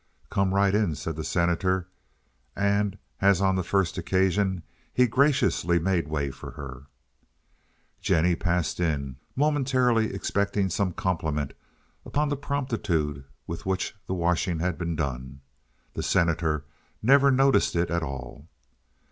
"Come right in," said the Senator; and, as on the first occasion, he graciously made way for her. Jennie passed in, momentarily expecting some compliment upon the promptitude with which the washing had been done. The Senator never noticed it at all.